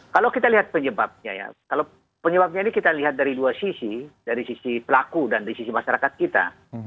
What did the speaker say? kalau kita lihat penyebabnya ya kalau penyebabnya ini kita lihat dari dua sisi dari sisi pelaku dan dari sisi masyarakat kita